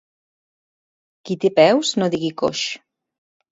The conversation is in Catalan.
Qui té peus, no digui coix.